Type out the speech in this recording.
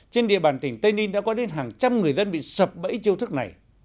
trên địa bàn tỉnh tây ninh đã có đến hàng trăm người dân bị sập bẫy chiêu thức này